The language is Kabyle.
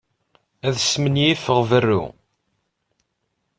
Ad smenyifeɣ berru.